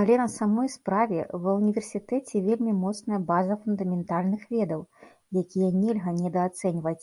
Але на самой справе, ва ўніверсітэце вельмі моцная база фундаментальных ведаў, якія нельга недаацэньваць.